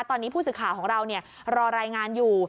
ตอนนี้ผู้สื่อข่าวของเรารอรายงานอยู่